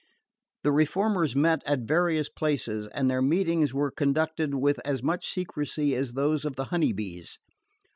The reformers met at various places, and their meetings were conducted with as much secrecy as those of the Honey Bees.